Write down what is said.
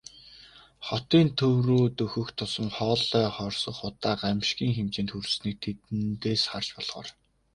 Хотын төв рүү дөхөх тусам хоолой хорсгох утаа гамшгийн хэмжээнд хүрснийг тэндээс харж болохоор.